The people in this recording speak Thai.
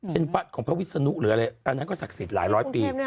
เป็นวัดของพระวิศนุหรืออะไรอันนั้นก็ศักดิ์สิทธิ์หลายร้อยปี